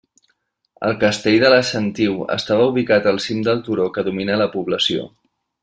El castell de la Sentiu estava ubicat al cim del turó que domina la població.